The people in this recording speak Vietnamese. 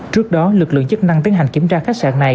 trước đó lực lượng chức năng tiến hành kiểm tra khách sạn này